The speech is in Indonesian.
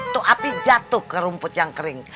itu api jatuh ke rumput yang kering